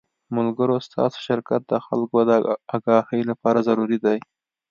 ملګرو ستاسو شرکت د خلکو د اګاهۍ له پاره ضروري دے